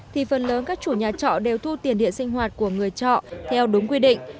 thì phần lớn các chủ nhà trọ đều thu tiền điện sinh hoạt của người trọ theo đúng quy định